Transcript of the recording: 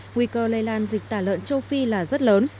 nguy cơ lây lan dịch tả lợn châu phi là rất lớn